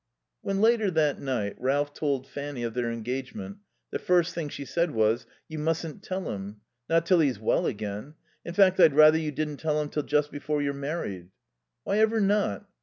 When later that night Ralph told Fanny of their engagement the first thing she said was, "You mustn't tell him. Not till he's well again. In fact, I'd rather you didn't tell him till just before you're married." "Why ever not?"